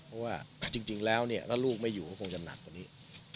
เพราะว่าจริงแล้วเนี่ยถ้าลูกไม่อยู่ก็คงจะหนักกว่านี้